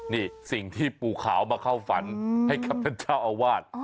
นี่สิ่งที่ปูขาวมาเข้าฝันให้กับท่านเจ้าอาวาส